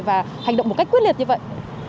và hành động một cách quyết liệt như vậy